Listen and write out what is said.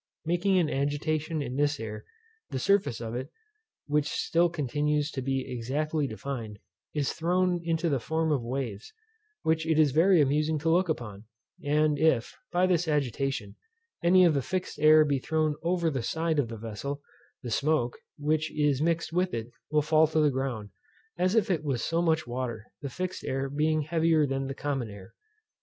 Making an agitation in this air, the surface of it, (which still continues to be exactly defined) is thrown into the form of waves, which it is very amusing to look upon; and if, by this agitation, any of the fixed air be thrown over the side of the vessel, the smoke, which is mixed with it, will fall to the ground, as if it was so much water, the fixed air being heavier than common air.